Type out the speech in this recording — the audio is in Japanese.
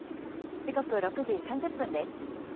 時刻６時３０分です。